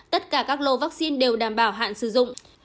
tất cả các lô vaccine đều đảm bảo hạn sử dụng